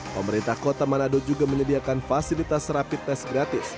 pemerintah kota manado juga menyediakan fasilitas rapid test gratis